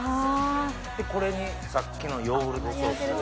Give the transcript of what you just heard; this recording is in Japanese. これにさっきのヨーグルトソースを。